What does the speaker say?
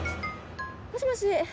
もしもし。